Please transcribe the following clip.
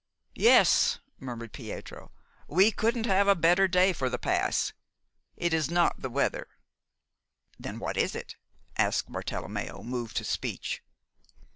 "Yes," murmured Pietro. "We couldn't have a better day for the pass. It is not the weather." "Then what is it?" asked Bartelommeo, moved to speech.